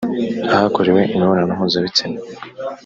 Ahakorewe imibonano mpuzabitsina